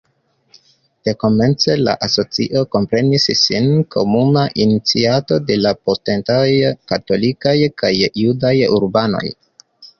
Dekomence la asocio komprenis sin komuna iniciato de la protestantaj, katolikaj kaj judaj urbanoj.